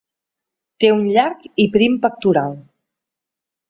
Té un llarg i prim pectoral.